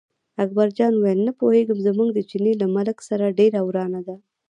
اکبرجان وویل نه پوهېږم، زموږ د چیني له ملک سره ډېره ورانه ده.